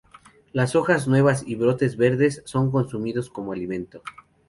Las hojas nuevas y brotes verdes son consumidos como alimento.